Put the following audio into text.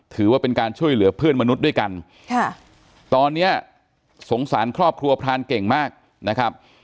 ถือว่าเป็นการช่วยเหลือเพื่อนมนุษย์ด้วยกันค่ะตอนนี้สงสารครอบครัวพรานเก่งมากนะครับ